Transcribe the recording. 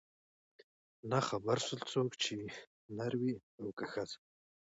نه خبر سول څوک چي نر وې او که ښځه